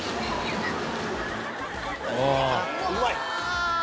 うまい！